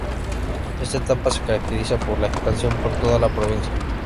Esta etapa se caracteriza por la expansión por toda la provincia.